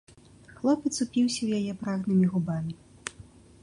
Хлопец упіўся ў яе прагнымі губамі.